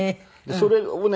それをね